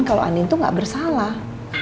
kalau andin tuh gak bersalah